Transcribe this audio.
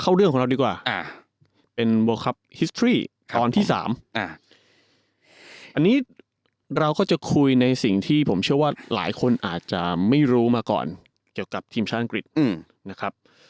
เค้าเรื่องของเราก็ดีกว่าอ่าเป็นอ่าอันนี้เราก็จะคุยในสิ่งที่ผมเชื่อว่าหลายคนอาจจะไม่รู้มาก่อนเกี่ยวกับอืมนะครับ